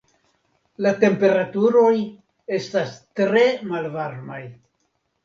La temperaturoj estas tre malvarmaj.